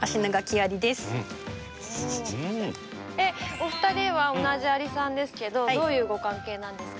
お二人は同じアリさんですけどどういうご関係なんですか？